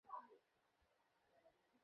কাসলেই পাদ বেরাচ্ছে।